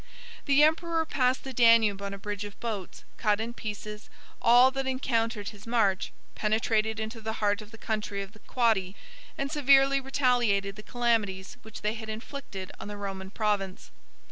The emperor passed the Danube on a bridge of boats, cut in pieces all that encountered his march, penetrated into the heart of the country of the Quadi, and severely retaliated the calamities which they had inflicted on the Roman province.